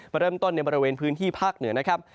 มาเริ่มต้นในบริเวณพื้นที่ภาคเหนือนะครับ